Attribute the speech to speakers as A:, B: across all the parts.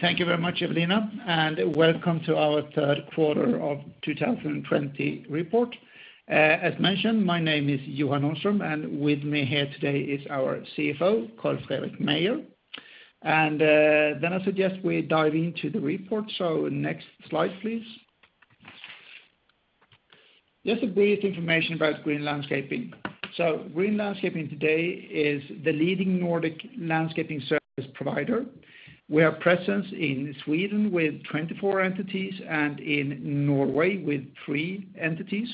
A: Thank you very much, Evelina, and welcome to our Q3 of 2020 report. As mentioned, my name is Johan Nordström, with me here today is our CFO, Carl-Fredrik Meijer. Then I suggest we dive into the report. Next slide, please. Just a brief information about Green Landscaping. Green Landscaping today is the leading Nordic landscaping service provider, with a presence in Sweden with 24 entities and in Norway with three entities.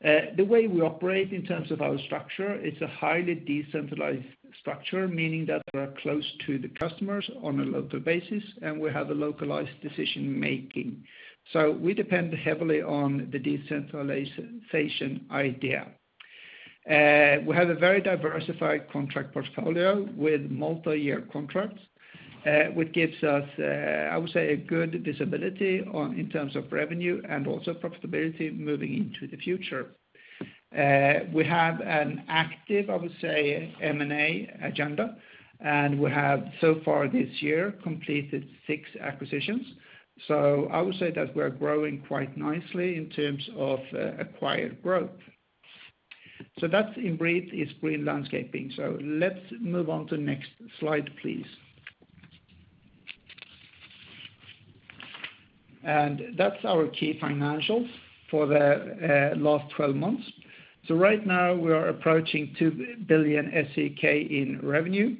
A: The way we operate in terms of our structure, it's a highly decentralized structure, meaning that we're close to the customers on a local basis, and we have localized decision-making. We depend heavily on the decentralization idea. We have a very diversified contract portfolio with multi-year contracts, which gives us, I would say, a good visibility in terms of revenue and also profitability moving into the future. We have an active, I would say, M&A agenda, and we have so far this year completed six acquisitions. I would say that we are growing quite nicely in terms of acquired growth. That in brief is Green Landscaping. Let's move on to next slide, please. That's our key financials for the last 12 months. Right now we are approaching 2 billion SEK in revenue.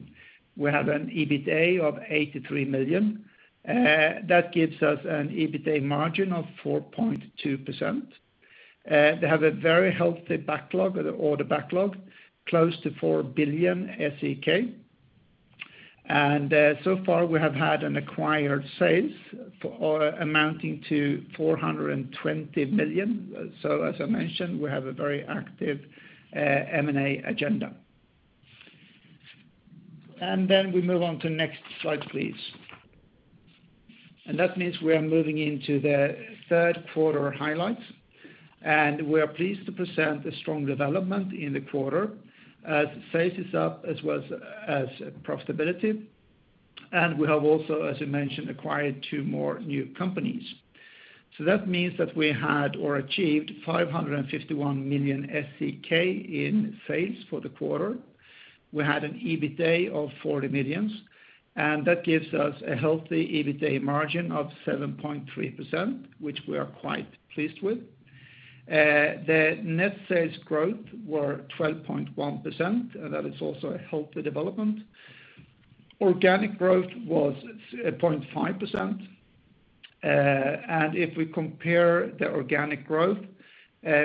A: We have an EBITA of 83 million. That gives us an EBITA margin of 4.2%. They have a very healthy backlog or the backlog close to 4 billion SEK. So far we have had an acquired sales amounting to 420 million. As I mentioned, we have a very active M&A agenda. Then we move on to next slide, please. That means we are moving into the Q3 highlights, and we are pleased to present a strong development in the quarter as sales is up as well as profitability. We have also, as I mentioned, acquired two more new companies. That means that we had or achieved 551 million in sales for the quarter. We had an EBITA of 40 million, and that gives us a healthy EBITA margin of 7.3%, which we are quite pleased with. The net sales growth were 12.1%, and that is also a healthy development. Organic growth was 0.5%. If we compare the organic growth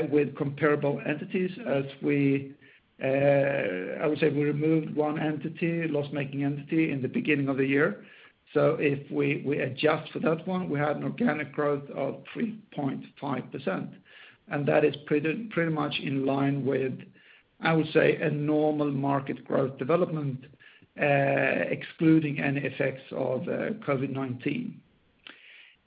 A: with comparable entities as we removed one entity, loss-making entity in the beginning of the year. If we adjust for that one, we had an organic growth of 3.5%, and that is pretty much in line with, I would say, a normal market growth development, excluding any effects of COVID-19.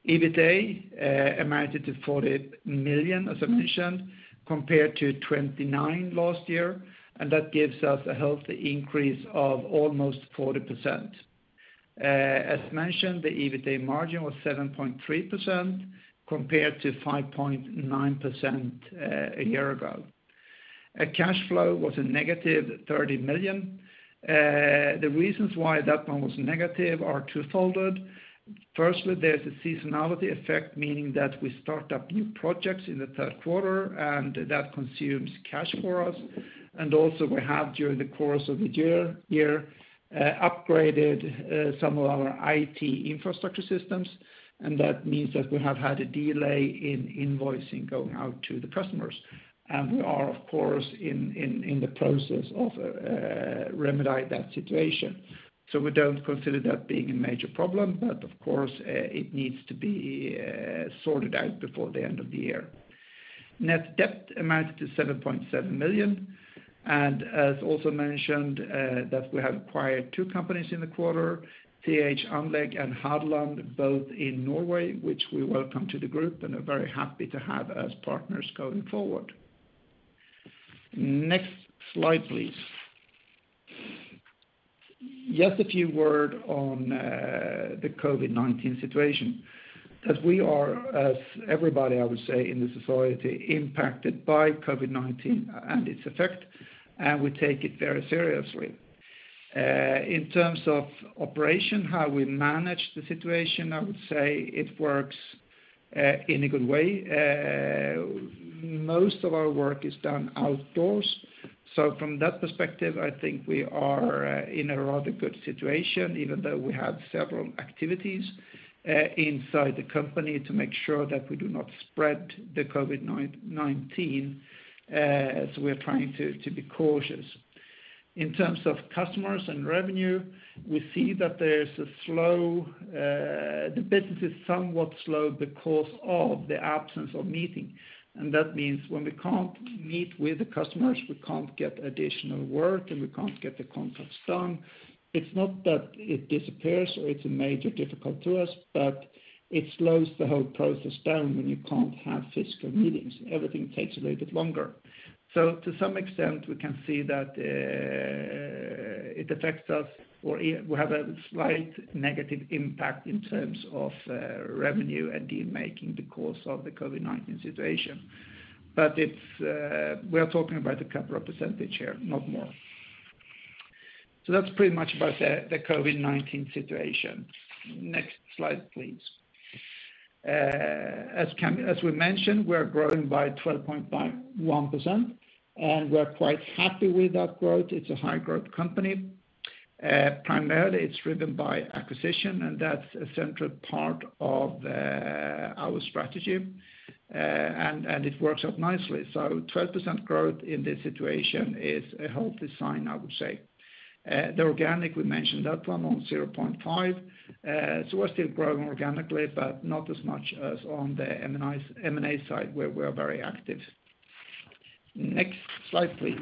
A: EBITA amounted to 40 million, as I mentioned, compared to 29 million last year, and that gives us a healthy increase of almost 40%. As mentioned, the EBITA margin was 7.3% compared to 5.9% a year ago. Cash flow was a negative 30 million. The reasons why that one was negative are twofold. Firstly, there's a seasonality effect, meaning that we start up new projects in the, and that consumes cash for us. Also we have, during the course of the year, upgraded some of our IT infrastructure systems, and that means that we have had a delay in invoicing going out to the customers. We are, of course, in the process of remedying that situation. We don't consider that being a major problem. Of course, it needs to be sorted out before the end of the year. Net debt amounted to 7.7 million, and as also mentioned, that we have acquired two companies in the quarter, TH Anlegg and Hadeland, both in Norway, which we welcome to the group and are very happy to have as partners going forward. Next slide, please. Just a few words on the COVID-19 situation, that we are, as everybody, I would say, in the society, impacted by COVID-19 and its effect, and we take it very seriously. In terms of operation, how we manage the situation, I would say it works in a good way. Most of our work is done outdoors. From that perspective, I think we are in a rather good situation, even though we have several activities inside the company to make sure that we do not spread the COVID-19 as we are trying to be cautious. In terms of customers and revenue, we see that the business is somewhat slow because of the absence of meetings, and that means when we can't meet with the customers, we can't get additional work, and we can't get the contracts done. It's not that it disappears or it's a major difficult to us, but it slows the whole process down when you can't have physical meetings. Everything takes a little bit longer. To some extent, we can see that it affects us, or we have a slight negative impact in terms of revenue and deal-making because of the COVID-19 situation. We are talking about a couple of percentage here, not more. That's pretty much about the COVID-19 situation. Next slide, please. As we mentioned, we're growing by 12.1%, and we're quite happy with that growth. It's a high-growth company. Primarily, it's driven by acquisition, and that's a central part of our strategy. It works out nicely. 12% growth in this situation is a healthy sign, I would say. The organic, we mentioned that one, on 0.5%. We're still growing organically, but not as much as on the M&A side, where we're very active. Next slide, please.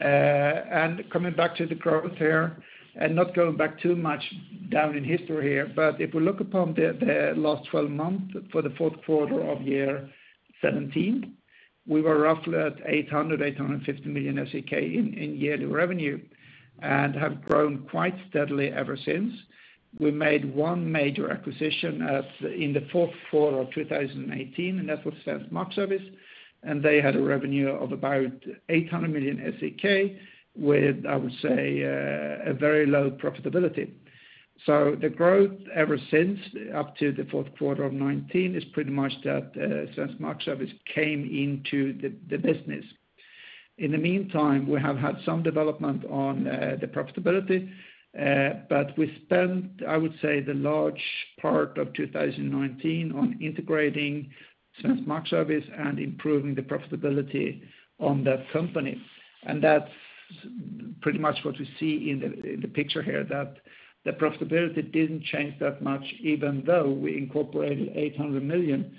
A: Coming back to the growth here, not going back too much down in history here, but if we look upon the last 12 months, for the Q4 of year 2017, we were roughly at 800-850 million SEK in yearly revenue and have grown quite steadily ever since. We made one major acquisition in the Q4 of 2018, that was Svensk Markservice, and they had a revenue of about 800 million SEK with, I would say, a very low profitability. The growth ever since, up to the Q4 of 2019, is pretty much that Svensk Markservice came into the business. In the meantime, we have had some development on the profitability, but we spent, I would say, the large part of 2019 on integrating Svensk Markservice and improving the profitability on that company. That's pretty much what we see in the picture here, that the profitability didn't change that much even though we incorporated 800 million.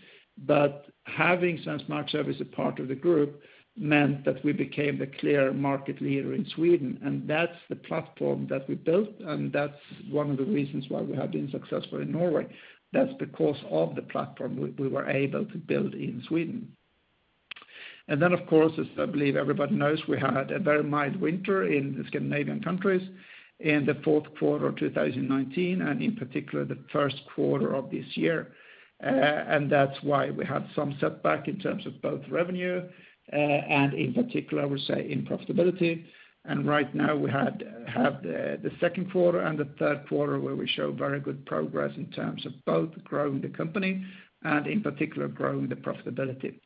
A: Having Svensk Markservice as part of the group meant that we became the clear market leader in Sweden, and that's the platform that we built, and that's one of the reasons why we have been successful in Norway. That's because of the platform we were able to build in Sweden. Of course, as I believe everybody knows, we had a very mild winter in the Scandinavian countries in the Q4 of 2019, and in particular, the Q1 of this year. That's why we had some setback in terms of both revenue and, in particular, I would say, in profitability. Right now we have the Q2 and the Q3 where we show very good progress in terms of both growing the company and, in particular, growing the profitability.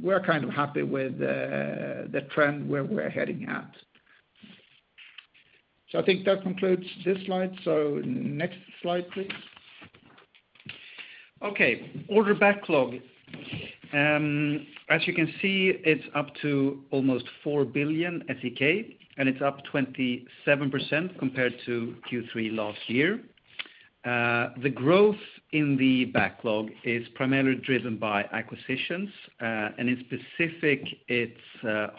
A: We're kind of happy with the trend where we're heading at. I think that concludes this slide. Next slide, please. Okay. Order backlog. As you can see, it's up to almost 4 billion SEK, and it's up 27% compared to Q3 last year. The growth in the backlog is primarily driven by acquisitions, and in specific, it's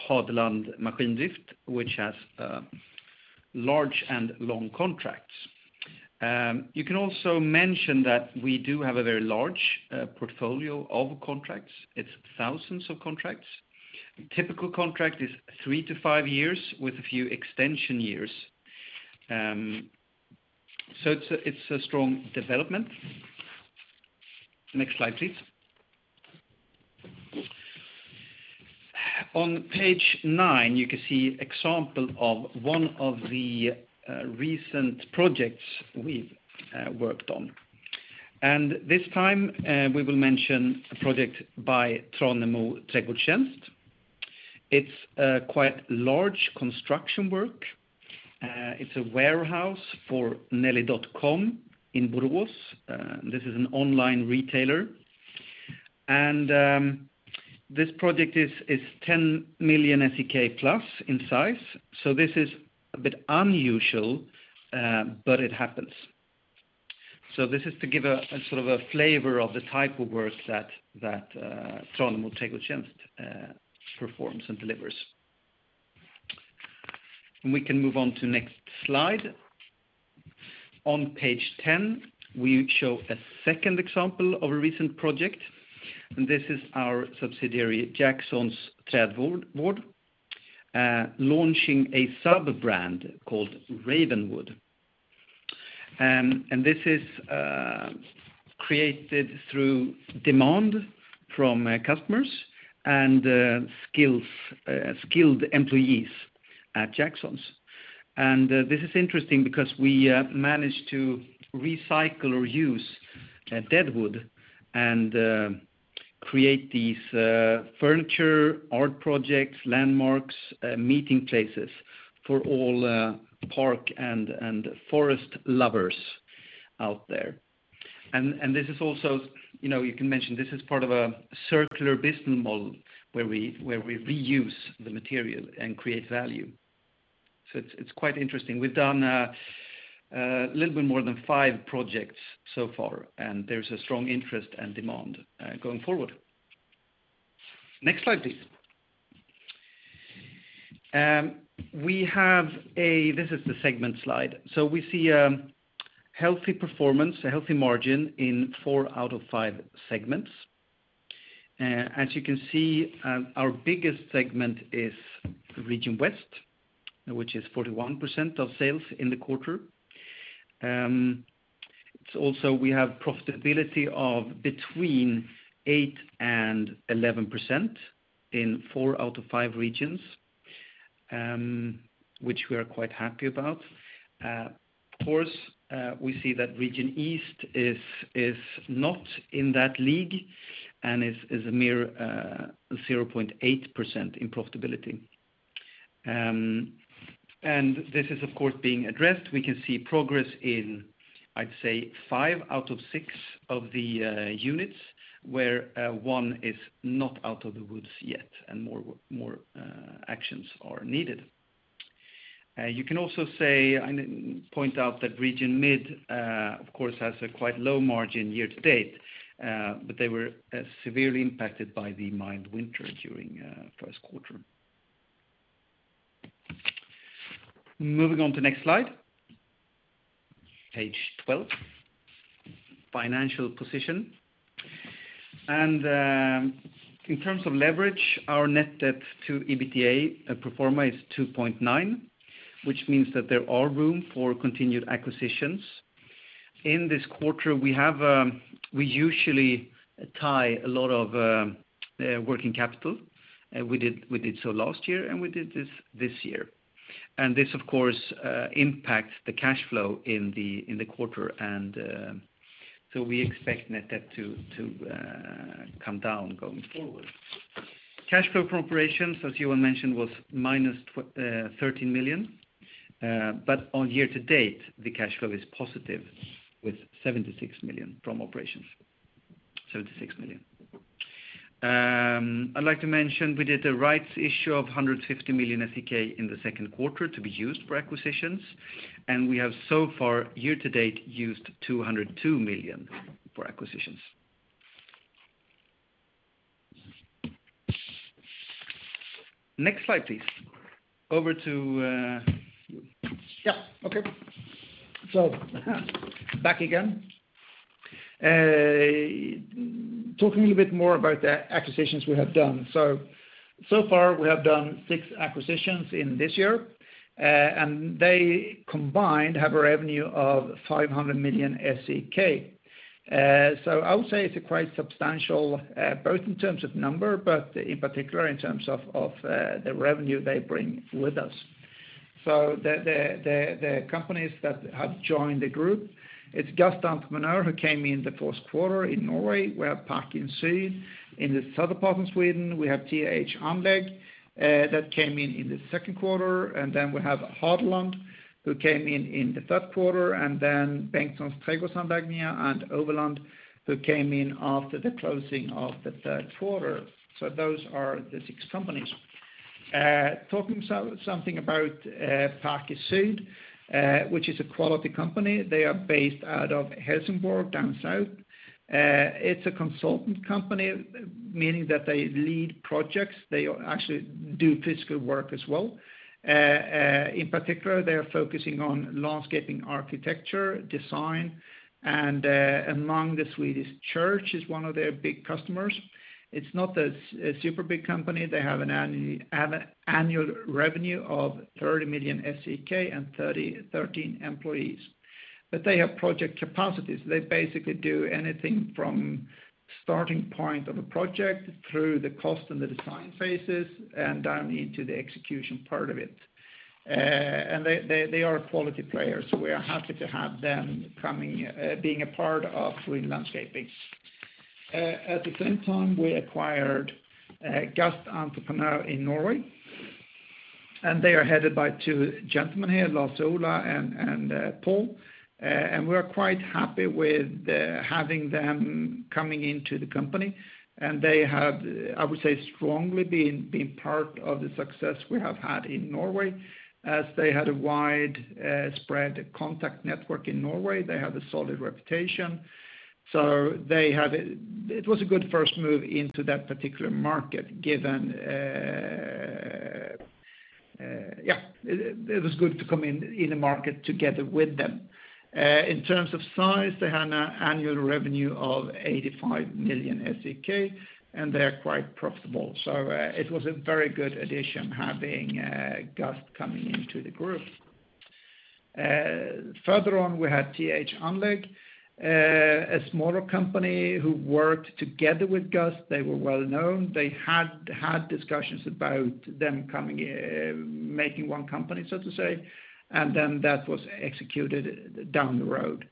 A: Hadeland Maskindrift, which has large and long contracts. You can also mention that we do have a very large portfolio of contracts. It's thousands of contracts. Typical contract is three to five years with a few extension years. It's a strong development. Next slide, please. On page nine, you can see example of one of the recent projects we've worked on. This time, we will mention a project by Tranemo Trädgårdstjänst. It's a quite large construction work. It's a warehouse for Nelly.com in Borås. This is an online retailer. This project is 10 million SEK plus in size, so this is a bit unusual, but it happens. This is to give a flavor of the type of work that TranemoTrädgårdstjänst performs and delivers. We can move on to next slide. On page 10, we show a second example of a recent project, this is our subsidiary, Jacksons Trädvård, launching a sub-brand called Ravenwood. This is created through demand from customers and skilled employees at Jacksons. This is interesting because we managed to recycle or reuse dead wood and create these furniture, art projects, landmarks, meeting places for all park and forest lovers out there. This is also, you can mention, this is part of a circular business model where we reuse the material and create value. It's quite interesting. We've done a little bit more than five projects so far, and there's a strong interest and demand going forward. Next slide, please. This is the segment slide. We see a healthy performance, a healthy margin in four out of five segments.
B: As you can see, our biggest segment is Region West, which is 41% of sales in the quarter. Also, we have profitability of between 8% and 11% in four out of five regions, which we are quite happy about. Of course, we see that Region East is not in that league and is a mere 0.8% in profitability. This is, of course, being addressed. We can see progress in, I'd say, five out of six of the units, where one is not out of the woods yet and more actions are needed. You can also point out that Region Mid, of course, has a quite low margin year-to-date, but they were severely impacted by the mild winter during Q1. Moving on to next slide, page 12, financial position. In terms of leverage, our net debt to EBITDA pro forma is 2.9, which means that there are room for continued acquisitions. In this quarter, we usually tie a lot of working capital. We did so last year, we did it this year, this, of course, impacts the cash flow in the quarter. We expect net debt to come down going forward. Cash flow from operations, as Johan mentioned, was minus 13 million. On year-to-date, the cash flow is positive with 76 million from operations. 76 million. I'd like to mention we did a rights issue of 150 million SEK in the Q2 to be used for acquisitions, we have so far, year-to-date, used 202 million for acquisitions. Next slide, please. Over to you.
A: Back again. Talking a little bit more about the acquisitions we have done. Far, we have done six acquisitions in this year, and they combined have a revenue of 500 million SEK. I would say it's quite substantial, both in terms of number, but in particular in terms of the revenue they bring with us. The companies that have joined the group, it's GAST Entreprenør who came in the Q1 in Norway. We have Park & Syd in the southern part of Sweden. We have TH Anlegg that came in in the Q2, and then we have Hadeland who came in in the Q3, and then Bengtssons Trädgårdsanläggningar and Oveland, who came in after the closing of the Q3. Those are the six companies. Talking something about Park & Syd, which is a quality company. They are based out of Helsingborg down south. It's a consultant company, meaning that they lead projects. They actually do physical work as well. In particular, they are focusing on landscaping architecture, design, and among the Swedish church is one of their big customers. It's not a super big company. They have an annual revenue of 30 million SEK and 13 employees. They have project capacities. They basically do anything from starting point of a project through the cost and the design phases and down into the execution part of it. They are a quality player, so we are happy to have them being a part of Svensk Markservice. At the same time, we acquired GAST Entreprenør in Norway, and they are headed by two gentlemen here, Lars Ola and Pål. We are quite happy with having them coming into the company. They have, I would say, strongly been part of the success we have had in Norway, as they had a widespread contact network in Norway. They have a solid reputation. It was a good first move into that particular market. It was good to come in the market together with them. In terms of size, they had an annual revenue of 85 million SEK, and they are quite profitable. It was a very good addition having GAST coming into the group. Further on, we had TH Anlegg, a smaller company who worked together with GAST. They were well-known. They had discussions about them making one company, so to say, that was executed down the road.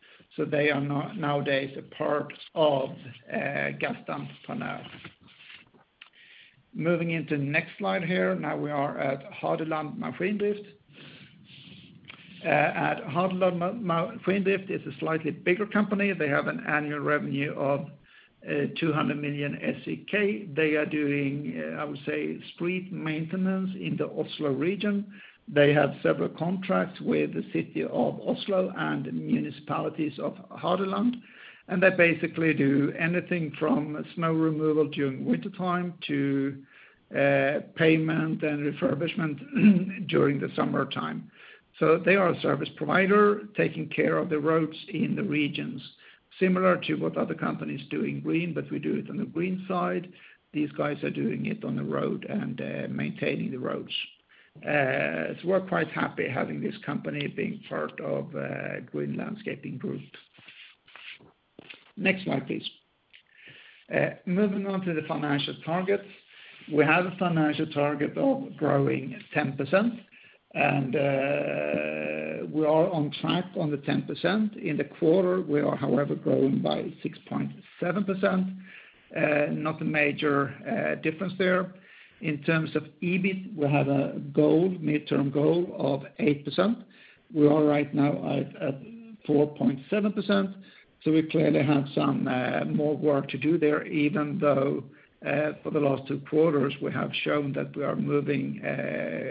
A: They are nowadays a part of GAST Entreprenør. Moving into the next slide here. We are at Hadeland Maskindrift. At Hadeland Maskindrift, it's a slightly bigger company. They have an annual revenue of 200 million SEK. They are doing, I would say, street maintenance in the Oslo region. They have several contracts with the city of Oslo and municipalities of Hadeland. They basically do anything from snow removal during wintertime to pavement and refurbishment during the summertime. They are a service provider taking care of the roads in the regions, similar to what other companies do in green, but we do it on the green side. These guys are doing it on the road and maintaining the roads. We're quite happy having this company being part of Green Landscaping Group. Next slide, please. Moving on to the financial targets. We have a financial target of growing 10%. We are on track on the 10%. In the quarter, we are however growing by 6.7%, not a major difference there. In terms of EBIT, we have a midterm goal of 8%. We are right now at 4.7%. We clearly have some more work to do there, even though for the last two quarters, we have shown that we are moving,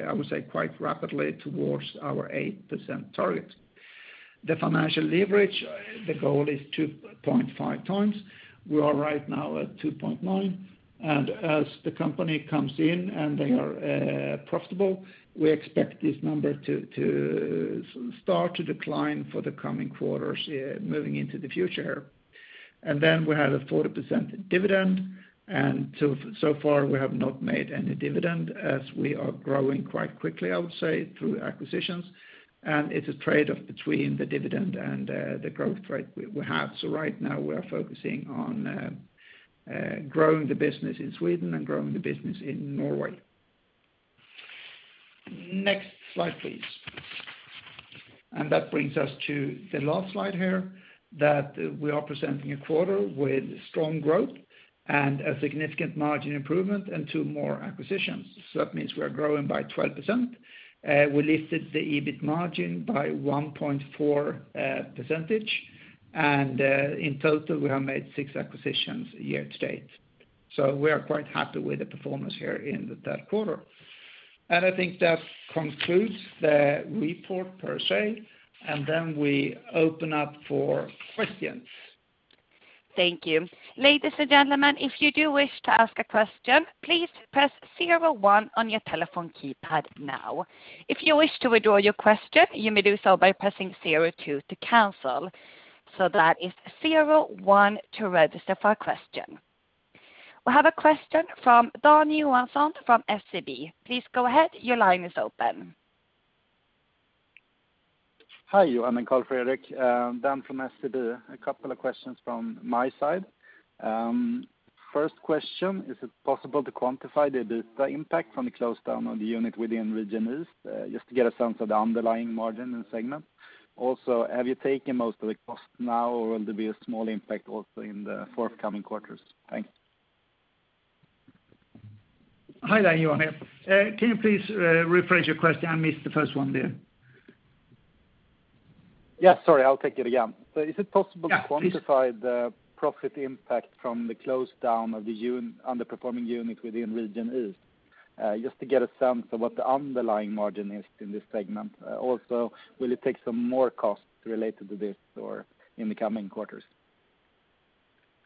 A: I would say, quite rapidly towards our 8% target. The financial leverage, the goal is 2.5 times. We are right now at 2.9. As the company comes in and they are profitable, we expect this number to start to decline for the coming quarters moving into the future. We have a 40% dividend. So far we have not made any dividend as we are growing quite quickly, I would say, through acquisitions. It's a trade-off between the dividend and the growth rate we have. Right now we are focusing on growing the business in Sweden and growing the business in Norway. Next slide, please. That brings us to the last slide here, that we are presenting a quarter with strong growth and a significant margin improvement and two more acquisitions. That means we are growing by 12%. We lifted the EBIT margin by 1.4 percentage, and in total, we have made six acquisitions year to date. We are quite happy with the performance here in the Q3. I think that concludes the report per se, and then we open up for questions.
C: Thank you. Ladies and gentlemen, if you do wish to ask a question, please press zero, one on your telephone keypad now. If you wish to withdraw your question, you may do so by pressing zero, two to cancel. That is zero, one to register for a question. We have a question from Dan Johansson from SEB. Please go ahead. Your line is open.
D: Hi, Johan and Carl-Fredrik Meijer. Dan from SEB. A couple of questions from my side. First question, is it possible to quantify the EBITDA impact from the close down of the unit within Region East, just to get a sense of the underlying margin in segment? Also, have you taken most of the costs now, or will there be a small impact also in the forthcoming quarters? Thanks.
A: Hi, Dan. Johan here. Can you please rephrase your question? I missed the first one there.
D: Yeah, sorry. I'll take it again. is it possible to quantify the profit impact from the close down of the underperforming unit within Region East? Just to get a sense of what the underlying margin is in this segment. Will it take some more costs related to this or in the coming quarters?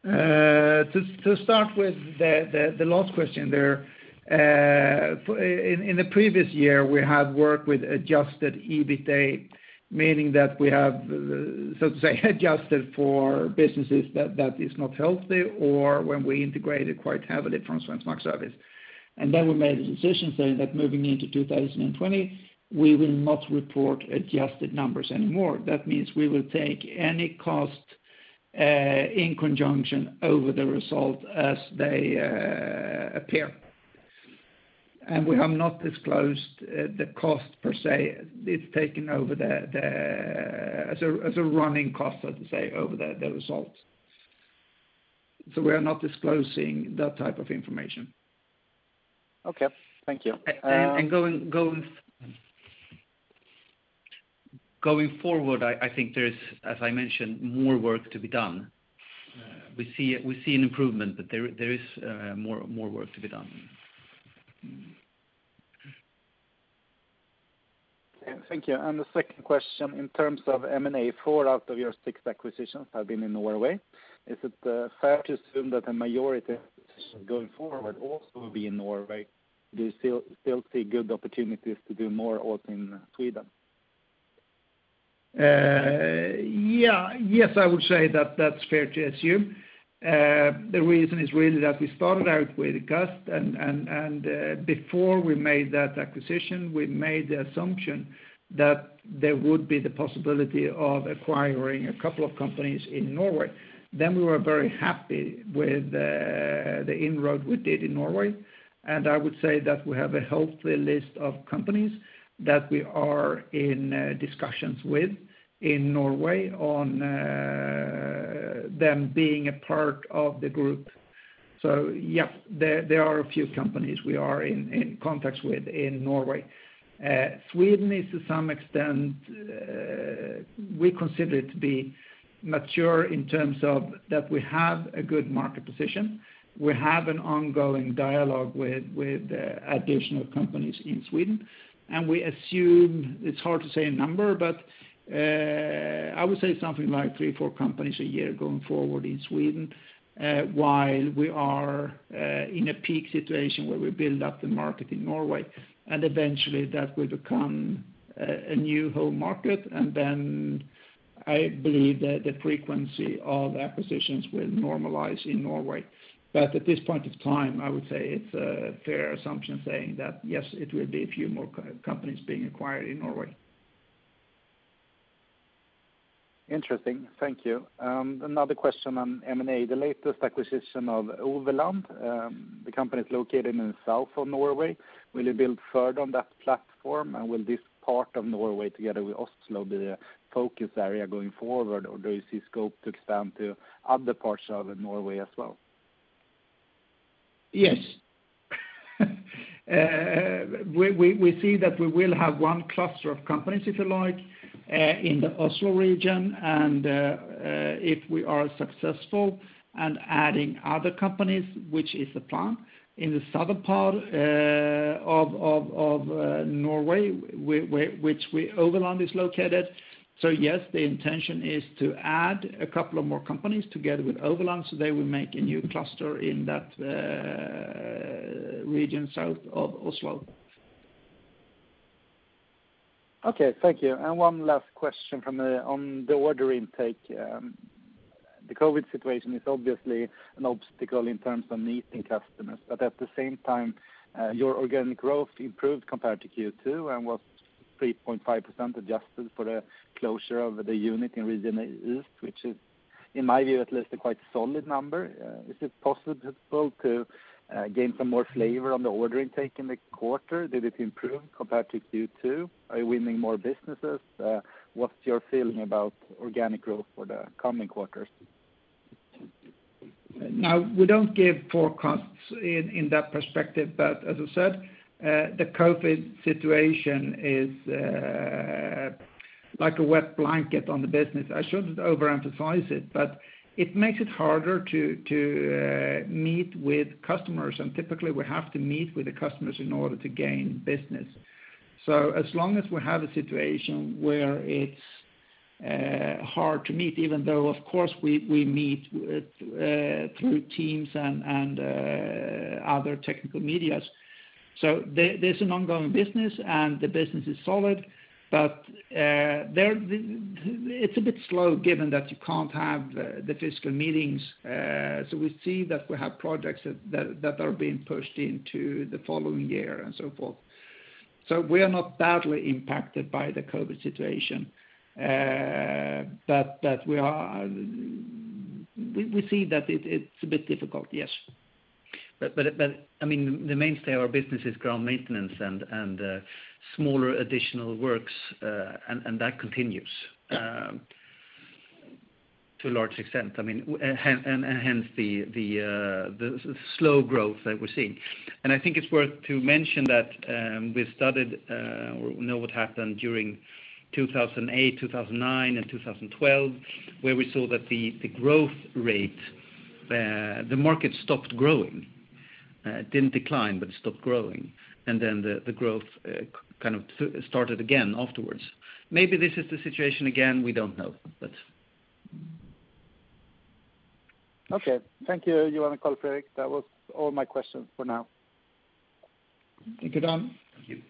A: To start with the last question there. In the previous year, we have worked with adjusted EBITA, meaning that we have, so to say, adjusted for businesses that is not healthy or when we integrated quite heavily from Svensk Markservice. Then we made a decision saying that moving into 2020, we will not report adjusted numbers anymore. That means we will take any cost in conjunction over the result as they appear. We have not disclosed the cost per se. It's taken as a running cost, so to say, over the results. We are not disclosing that type of information.
D: Okay. Thank you.
A: Going forward, I think there's, as I mentioned, more work to be done. We see an improvement, but there is more work to be done.
D: Thank you. The second question, in terms of M&A, four out of your six acquisitions have been in Norway. Is it fair to assume that a majority of acquisitions going forward also will be in Norway? Do you still see good opportunities to do more also in Sweden?
A: Yes, I would say that that's fair to assume. The reason is really that we started out with GAST, and before we made that acquisition, we made the assumption that there would be the possibility of acquiring a couple of companies in Norway. We were very happy with the inroad we did in Norway, and I would say that we have a healthy list of companies that we are in discussions with in Norway on them being a part of the group. Yeah, there are a few companies we are in contacts with in Norway. Sweden is to some extent, we consider it to be mature in terms of that we have a good market position. We have an ongoing dialogue with additional companies in Sweden. We assume it is hard to say a number, but I would say something like three, four companies a year going forward in Sweden, while we are in a peak situation where we build up the market in Norway. Eventually that will become a new home market. I believe that the frequency of acquisitions will normalize in Norway. At this point of time, I would say it is a fair assumption saying that yes, it will be a few more companies being acquired in Norway.
D: Interesting. Thank you. Another question on M&A, the latest acquisition of Oveland Utemiljø. The company is located in the south of Norway. Will you build further on that platform? Will this part of Norway, together with Oslo, be the focus area going forward, or do you see scope to expand to other parts of Norway as well?
A: Yes. We see that we will have one cluster of companies, if you like, in the Oslo region. If we are successful in adding other companies, which is the plan, in the southern part of Norway, which Oveland is located. Yes, the intention is to add a couple of more companies together with Oveland, so they will make a new cluster in that region south of Oslo.
D: Okay, thank you. One last question on the order intake. The COVID situation is obviously an obstacle in terms of meeting customers, but at the same time, your organic growth improved compared to Q2 and was 3.5% adjusted for the closure of the unit in Region East, which is, in my view, at least a quite solid number. Is it possible to gain some more flavor on the order intake in the quarter? Did it improve compared to Q2? Are you winning more businesses? What's your feeling about organic growth for the coming quarters?
A: We don't give forecasts in that perspective. As I said, the COVID situation is like a wet blanket on the business. I shouldn't overemphasize it, but it makes it harder to meet with customers, and typically we have to meet with the customers in order to gain business. As long as we have a situation where it's hard to meet, even though, of course, we meet through Microsoft Teams and other technical medias. There's an ongoing business, and the business is solid. It's a bit slow given that you can't have the physical meetings. We see that we have projects that are being pushed into the following year and so forth. We are not badly impacted by the COVID situation. We see that it's a bit difficult, yes.
B: The mainstay of our business is ground maintenance and smaller additional works, and that continues to a large extent, and hence the slow growth that we're seeing. I think it's worth to mention that we studied what happened during 2008, 2009, and 2012, where we saw that the growth rate, the market stopped growing. It didn't decline, but it stopped growing. Then the growth kind of started again afterwards. Maybe this is the situation again, we don't know.
D: Okay. Thank you, Johan and Carl-Fredrik. That was all my questions for now.
A: Thank you, Dan.
B: Thank you.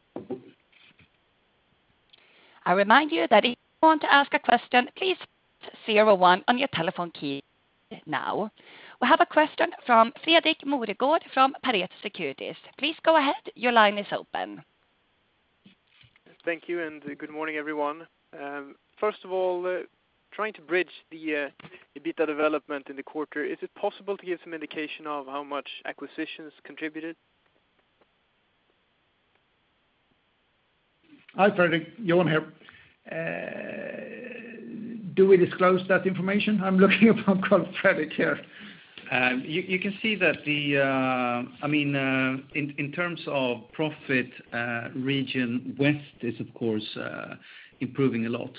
C: I remind you that if you want to ask a question, please press zero one on your telephone key now. We have a question from Fredrik Moregård from Pareto Securities. Please go ahead. Your line is open.
E: Thank you, and good morning, everyone. First of all, trying to bridge the EBITDA development in the quarter, is it possible to give some indication of how much acquisitions contributed?
A: Hi, Fredrik. Johan here. Do we disclose that information? I'm looking at Carl-Fredrik here.
B: You can see that in terms of profit, Region West is, of course, improving a lot.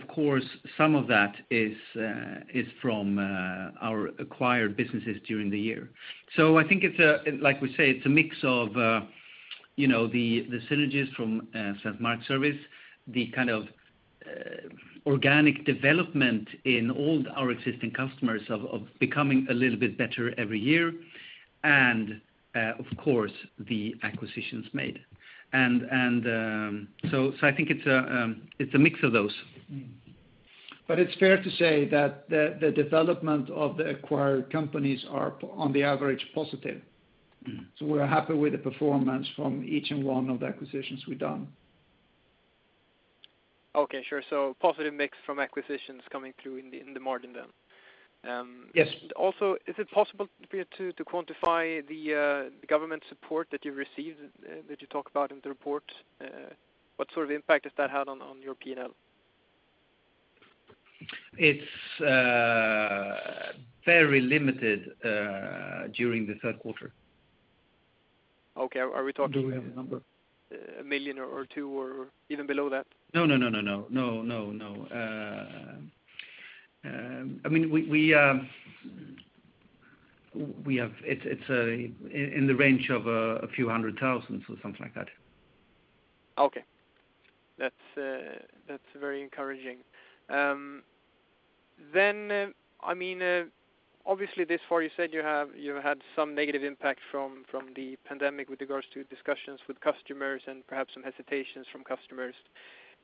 B: Of course, some of that is from our acquired businesses during the year. I think it's like we say, it's a mix of the synergies from Svensk Markservice, the kind of organic development in all our existing customers of becoming a little bit better every year, and of course, the acquisitions made. I think it's a mix of those.
A: It's fair to say that the development of the acquired companies are, on the average, positive. We're happy with the performance from each and one of the acquisitions we've done.
E: Okay, sure. Positive mix from acquisitions coming through in the margin then. Is it possible for you to quantify the government support that you've received, that you talk about in the report? What sort of impact has that had on your P&L?
B: It's very limited during the Q3.
E: Okay. Are we talking?
A: Do we have a number?
E: 1 million or 2 million, or even below that?
B: No. We have it in the range of a few hundred thousands or something like that.
E: Okay. That's very encouraging. Obviously this far, you said you have had some negative impact from the pandemic with regards to discussions with customers and perhaps some hesitations from customers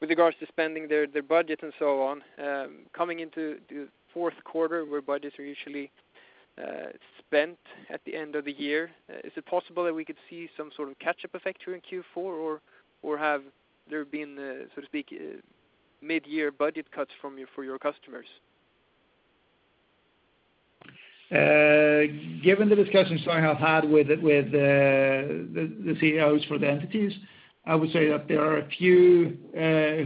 E: with regards to spending their budget and so on. Coming into the Q4, where budgets are usually spent at the end of the year, is it possible that we could see some sort of catch-up effect here in Q4, or have there been, so to speak, mid-year budget cuts from your customers?
A: Given the discussions I have had with the CEOs for the entities, I would say that there are a few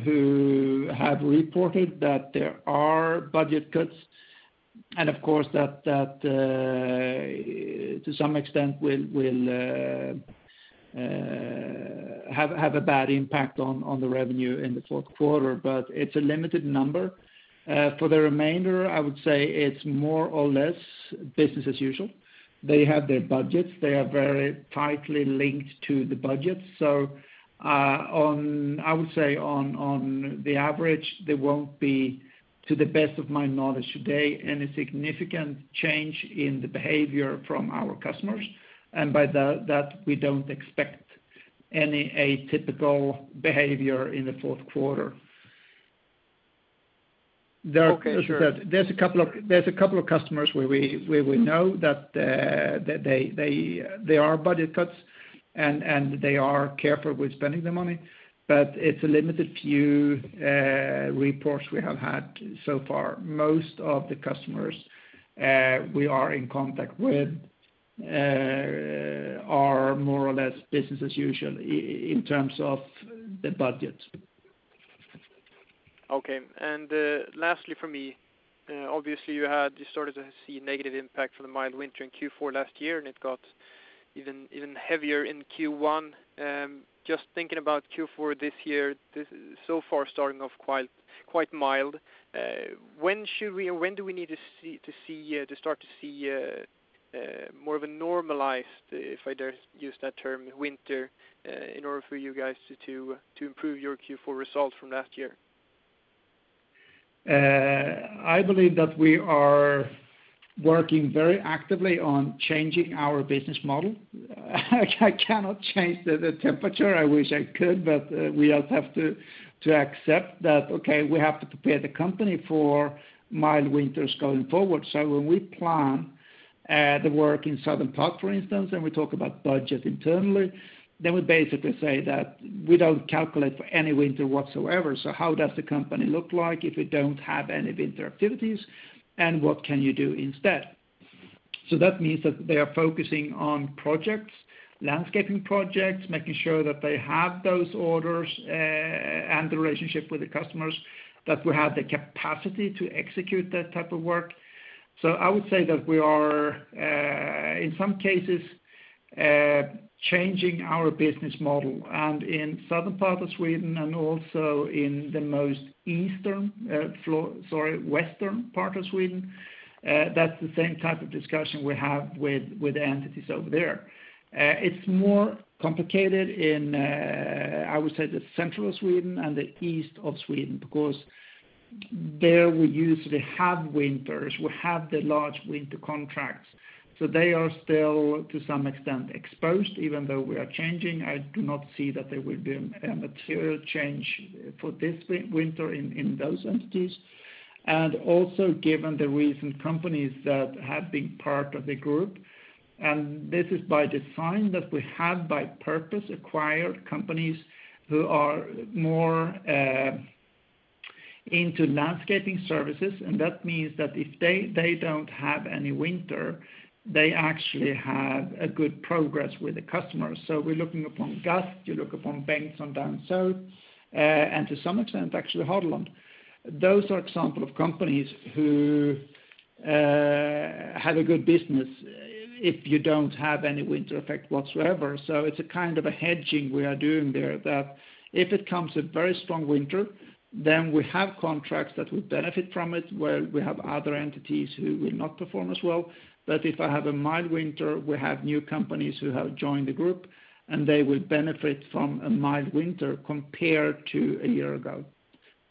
A: who have reported that there are budget cuts, and of course, that to some extent will have a bad impact on the revenue in the Q4, but it's a limited number. For the remainder, I would say it's more or less business as usual. They have their budgets. They are very tightly linked to the budgets. I would say, on the average, there won't be, to the best of my knowledge today, any significant change in the behavior from our customers. By that, we don't expect any atypical behavior in the Q4.
E: Okay, sure.
A: There's a couple of customers where we know that there are budget cuts, and they are careful with spending the money, but it's a limited few reports we have had so far. Most of the customers we are in contact with are more or less business as usual in terms of the budget.
E: Okay, lastly from me, obviously you started to see negative impact from the mild winter in Q4 last year, and it got even heavier in Q1. Just thinking about Q4 this year, so far it's starting off quite mild. When do we need to start to see more of a normalized, if I dare use that term, winter in order for you guys to improve your Q4 results from last year?
A: I believe that we are working very actively on changing our business model. I cannot change the temperature. I wish I could, but we all have to accept that, okay, we have to prepare the company for mild winters going forward. When we plan the work in southern part, for instance, and we talk about budget internally, then we basically say that we don't calculate for any winter whatsoever. How does the company look like if we don't have any winter activities, and what can you do instead? That means that they are focusing on projects, landscaping projects, making sure that they have those orders and the relationship with the customers, that we have the capacity to execute that type of work. I would say that we are, in some cases, changing our business model. In southern part of Sweden and also in the most western part of Sweden, that's the same type of discussion we have with entities over there. It's more complicated in, I would say, the central Sweden and the east of Sweden, because there we usually have winters. We have the large winter contracts. They are still, to some extent, exposed, even though we are changing. I do not see that there will be a material change for this winter in those entities. Also given the recent companies that have been part of the group, and this is by design that we have by purpose acquired companies who are more into landscaping services, and that means that if they don't have any winter, they actually have a good progress with the customers. We're looking upon Gast, you look upon Bengtsson down south, and to some extent, actually Hadeland. Those are example of companies who have a good business if you don't have any winter effect whatsoever. It's a kind of a hedging we are doing there that if it comes a very strong winter, then we have contracts that would benefit from it, where we have other entities who will not perform as well. If I have a mild winter, we have new companies who have joined the group, and they will benefit from a mild winter compared to a year ago.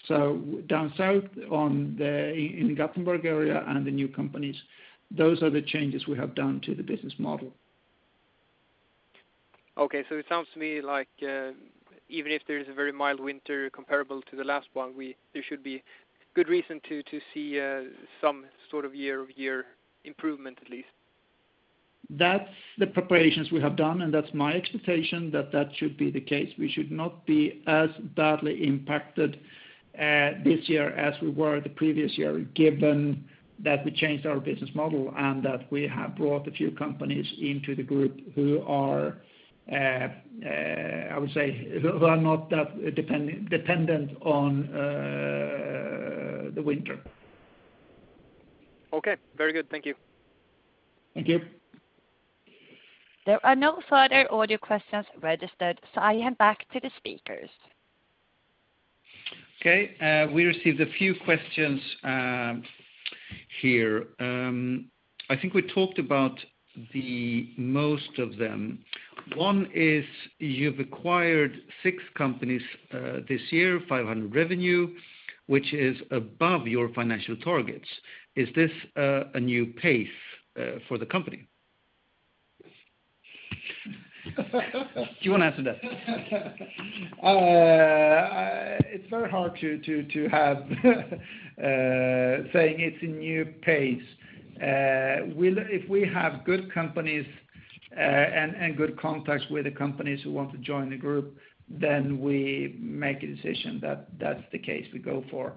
A: Down south in the Gothenburg area and the new companies, those are the changes we have done to the business model.
E: Okay. It sounds to me like even if there is a very mild winter comparable to the last one, there should be good reason to see some sort of year-over-year improvement, at least.
A: That's the preparations we have done, and that's my expectation that that should be the case. We should not be as badly impacted this year as we were the previous year, given that we changed our business model and that we have brought a few companies into the group who are not that dependent on the winter.
E: Okay. Very good. Thank you.
A: Thank you.
C: There are no further audio questions registered. I hand back to the speakers.
B: Okay. We received a few questions here. I think we talked about the most of them. One is, you've acquired six companies this year, 500 revenue, which is above your financial targets. Is this a new pace for the company? Do you want to answer that?
A: It's very hard saying it's a new pace. If we have good companies and good contacts with the companies who want to join the group, then we make a decision that that's the case we go for.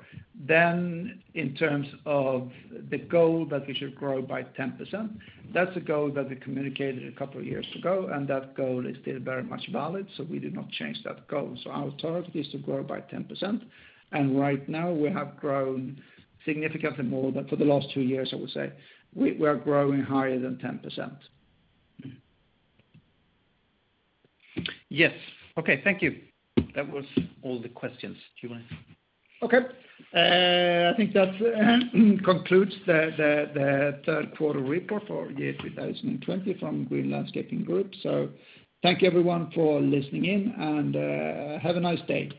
A: In terms of the goal that we should grow by 10%, that's a goal that we communicated a couple of years ago, and that goal is still very much valid. We did not change that goal. Our target is to grow by 10%, and right now we have grown significantly more. For the last two years, I would say, we are growing higher than 10%.
B: Yes. Okay, thank you. That was all the questions.
A: Okay. I think that concludes the Q3 report for year 2020 from Green Landscaping Group. Thank you everyone for listening in, and have a nice day.